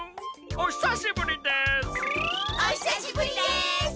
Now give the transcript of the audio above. おひさしぶりです！